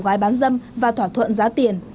bái bán dâm và thỏa thuận giá tiền